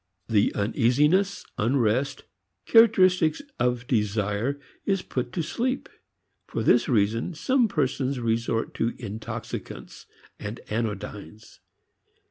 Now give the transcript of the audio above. The uneasiness, unrest, characteristic of desire is put to sleep. For this reason, some persons resort to intoxicants and anodynes.